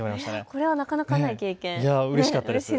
これはなかなかない経験、うれしいですね。